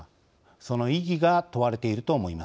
その意義が問われていると思います。